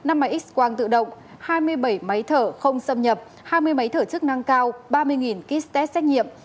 năm máy x quang tự động hai mươi bảy máy thở không xâm nhập hai mươi máy thở chức năng cao ba mươi kit test xét nghiệm